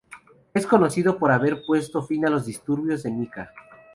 Es conocido por haber puesto fin a los disturbios de Nika.